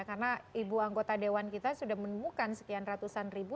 karena ibu anggota dewan kita sudah menemukan sekian ratusan ribu